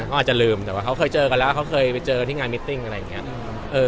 เขาอาจจะลืมแต่ว่าเขาเคยเจอกันแล้วเขาเคยไปเจอที่งานมิตติ้งอะไรอย่างนี้